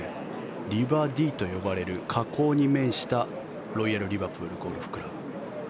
リバー・ディーと呼ばれる河口に面したロイヤル・リバプールゴルフクラブ。